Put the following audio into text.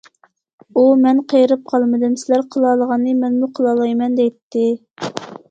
ئۇ:« مەن قېرىپ قالمىدىم، سىلەر قىلالىغاننى مەنمۇ قىلالايمەن» دەيتتى.